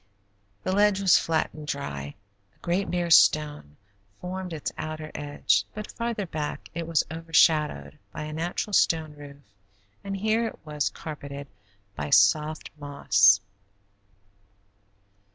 The ledge was flat and dry; a great bare stone formed its outer edge, but farther back it was overshadowed by a natural stone roof, and here it was carpeted by soft moss.